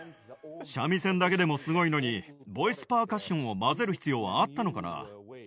三味線だけでもすごいのに、ボイスパーカッションを混ぜる必要あったのかな？